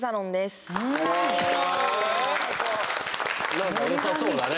何かよさそうだね